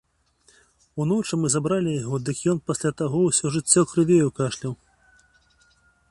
Уночы мы забралі яго, дык ён пасля таго ўсё жыццё крывёю кашляў.